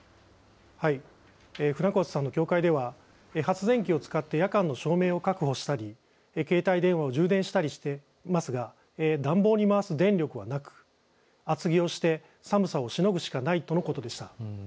船越さんの教会では発電機を使って夜間の照明を確保したり、携帯電話を充電したりしていますが、暖房に回す電力はなく、厚着をして、寒さをしのぐしかないとのことでした。